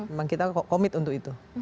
memang kita komit untuk itu